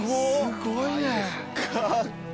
すごいね。